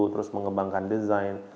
terus mengembangkan desain